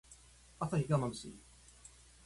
朝日がまぶしい。